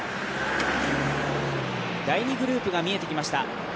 第２グループが見えてきました。